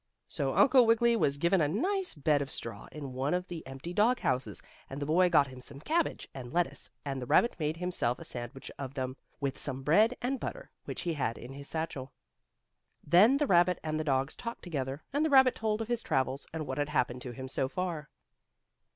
So Uncle Wiggily was given a nice bed of straw in one of the empty dog houses, and the boy got him some cabbage and lettuce, and the rabbit made himself a sandwich of them, with some bread and butter which he had in his satchel. Then the rabbit and the dogs talked together, and the rabbit told of his travels, and what had happened to him so far.